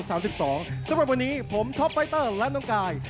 สำหรับวันนี้ผมท็อปไฟเตอร์และน้องกาย